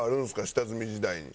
下積み時代に。